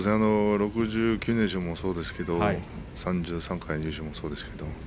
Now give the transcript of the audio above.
６９連勝もそうですけれども３３回の優勝もそうです。